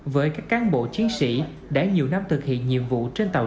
với các cán bộ chiến sĩ đã nhiều năm thực hiện nhiệm vụ trên tàu